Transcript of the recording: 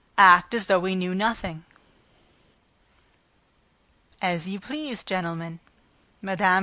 Act as though we knew nothing." "As you please, gentlemen." Mme.